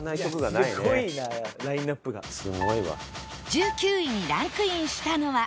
１９位にランクインしたのは